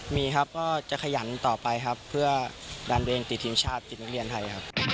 มีครับก็จะขยันต่อไปครับเพื่อดันตัวเองติดทีมชาติติดนักเรียนไทยครับ